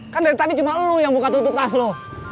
kan dari tadi cuma lu yang buka tutup kas lu